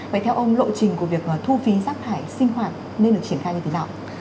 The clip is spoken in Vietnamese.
vậy theo ông lộ trình của việc thu phí rác thải sinh hoạt nên được triển khai như thế nào